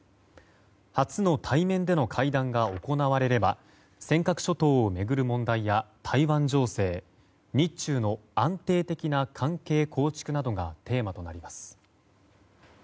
初の対面での会談が行われれば尖閣諸島を巡る問題や台湾情勢日中の安定的な関係構築などがテーマとなります。